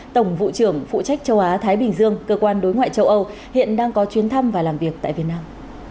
tổng vụ trưởng phụ trách châu á thái bình dương cơ quan đối ngoại châu âu hiện đang có chuyến thăm và làm việc tại việt nam